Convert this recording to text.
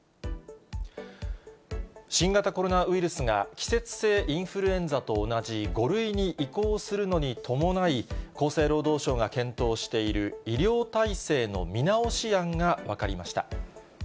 新型コロナウイルスが季節性インフルエンザと同じ５類に移行するのに伴い、厚生労働省が検討している医療体制の見直し案が分かりました。